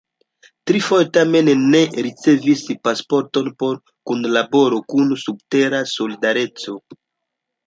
Trifoje tamen ne ricevis pasporton pro kunlaboro kun subtera "Solidareco".